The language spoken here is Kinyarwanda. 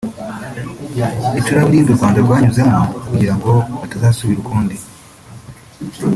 icuraburindi u Rwanda rwanyuzemo kugira ngo bitazasubira ukundi